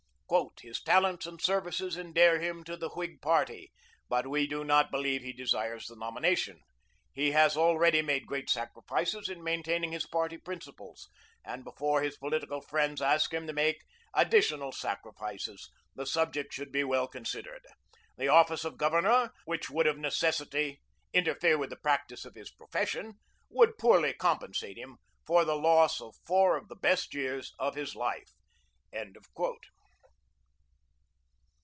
"His talents and services endear him to the Whig party; but we do not believe he desires the nomination. He has already made great sacrifices in maintaining his party principles, and before his political friends ask him to make additional sacrifices, the subject should be well considered. The office of Governor, which would of necessity interfere with the practice of his profession, would poorly compensate him for the loss of four of the best years of his life."